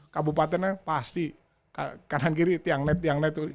kabupatennya pasti kanan kiri tiang net tiang net